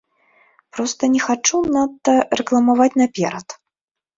Проста не хачу надта рэкламаваць наперад.